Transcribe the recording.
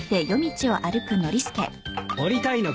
降りたいのか？